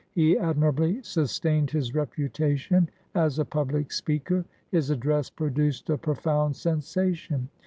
He admirably sustained his reputation as a public speaker. His address produced a profound sensation.